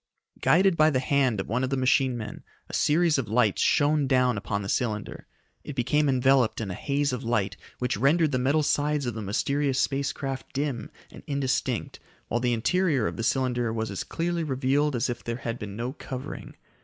Guided by the hand of one of the machine men, a series of lights shone down upon the cylinder. It became enveloped in a haze of light which rendered the metal sides of the mysterious space craft dim and indistinct while the interior of the cylinder was as clearly revealed as if there had been no covering.